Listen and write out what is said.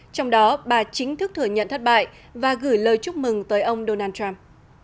trong đó bà chính thức thừa nhận thất bại và gửi lời chúc mừng tới ông donald trump